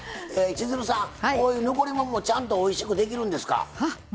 千鶴さん、残り物もちゃんとおいしくできるんですか？